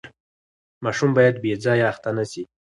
ماشوم باید بې ځایه اخته نه سي.